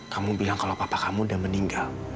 kamu bilang kalau papa kamu udah meninggal